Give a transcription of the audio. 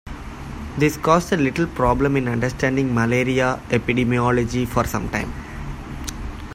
This caused a little problem in understanding malaria epidemiology for some time.